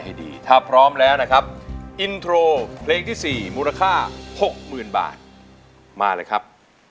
หกหมื่นบาทมาเลยครับ